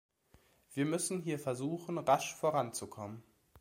Wir müssen hier versuchen, rasch voranzukommen.